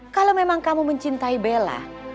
kalau memang kamu mencintai bella